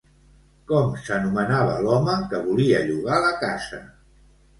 Com s'anomenava l'home que volia llogar la casa?